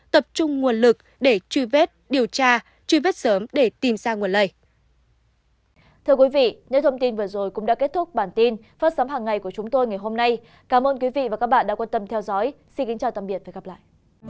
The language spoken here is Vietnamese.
tập trung nguồn lực để truy vết điều tra truy vết sớm để tìm ra nguồn lây